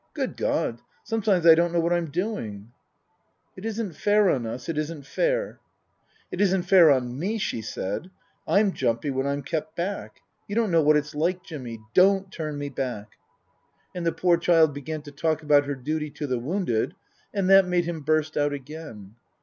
Good God ! sometimes I don't know what I'm doing. " It isn't fair on us. It isn't fair." " It isn't fair on me," she said. " I'm jumpy when I'm kept back. You don't know what it's like, Jimmy. Don't turn me back." Book III : His Book 317 And the poor child began to talk about her duty to the wounded, and that made him burst out again.